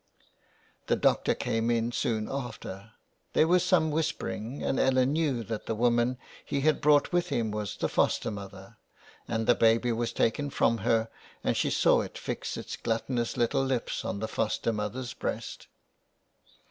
The doctor came in soon after ; there was some whisper ing, and Ellen knew that the woman he had brought with him was the foster mother, and the baby was taken from her, and she saw it fix its gluttonous little lips on the foster mother's breast.